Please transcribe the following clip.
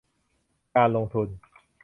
การลงทุน